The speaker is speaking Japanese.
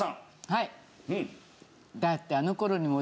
はい。